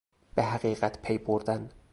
به حقیقت پی بردن